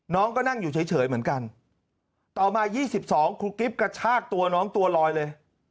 น้องก็นั่งอยู่เฉยเหมือนกันต่อมา๒๒ครูกิ๊บกระชากตัวน้องตัวลอยเลย